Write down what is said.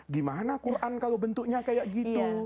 gimana quran kalau bentuknya kayak gitu